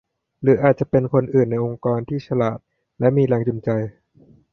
หรืออาจจะเป็นคนอื่นในองค์กรที่ฉลาดและมีแรงจูงใจ